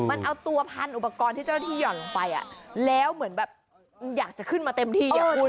มันเอาตัวพันอุปกรณ์ที่เจ้าหน้าที่ห่อนลงไปแล้วเหมือนแบบอยากจะขึ้นมาเต็มที่อ่ะคุณ